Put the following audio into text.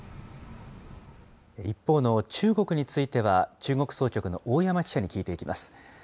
一方の中国については、中国総局の大山記者に聞いていきます。